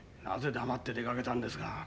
なぜ黙って出かけたんですか？